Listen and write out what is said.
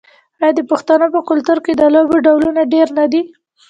آیا د پښتنو په کلتور کې د لوبو ډولونه ډیر نه دي؟